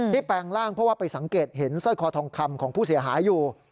แปลงร่างเพราะว่าไปสังเกตเห็นสร้อยคอทองคำของผู้เสียหายอยู่